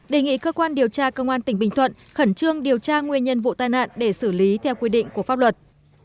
đề nghị cơ quan điều tra công an tỉnh bình thuận khẩn trương điều tra nguyên nhân vụ tai nạn để xử lý theo quy định của pháp luật